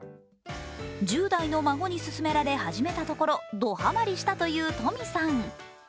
１０代の孫に勧められ始めたところドはまりしたという、とみさん。